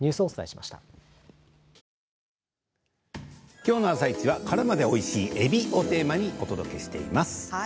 きょうの「あさイチ」は殻までおいしいえびをテーマにお届けしています。